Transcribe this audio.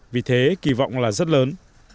vì thế kỳ vọng là rất lớn